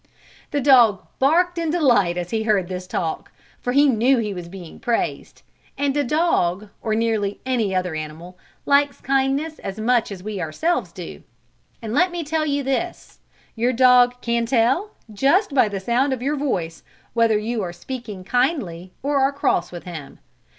The dog barked in delight as he heard this talk, for he knew he was being praised, and a dog, or nearly any other animal, likes kindness as much as we ourselves do. And let me tell you this, your dog can tell, just by the sound of your voice, whether you are speaking kindly or are cross with him.